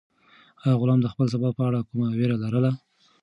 آیا غلام د خپل سبا په اړه کومه وېره لرله؟